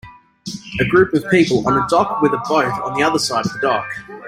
A group of people on a dock with a boat on the other side of the dock.